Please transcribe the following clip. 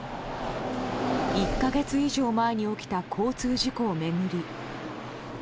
１か月以上前に起きた交通事故を巡り